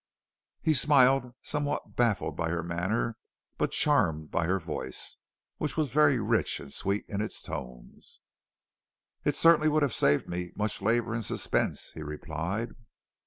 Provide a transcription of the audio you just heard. He smiled, somewhat baffled by her manner, but charmed by her voice, which was very rich and sweet in its tones. "It certainly would have saved me much labor and suspense," he replied.